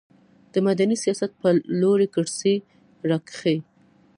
د مدني سیاست په لوري کرښې راښيي.